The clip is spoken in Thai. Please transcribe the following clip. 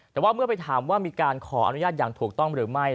แต่ว่าเมื่อไปถามว่ามีการขออนุญาตอย่างถูกต้องหรือไม่